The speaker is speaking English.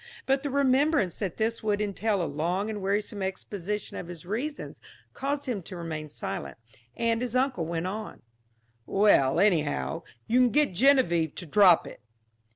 But the remembrance that this would entail a long and wearisome exposition of his reasons caused him to remain silent, and his uncle went on: "Well, anyhow, you can get Geneviève to drop it."